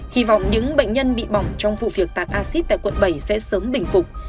hy vọng những bệnh nhân bị bỏng trong vụ việc tạt acid tại quận bảy sẽ sớm bình phục